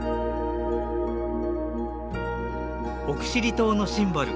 奥尻島のシンボル